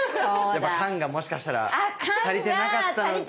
やっぱ肝がもしかしたらたりてなかった。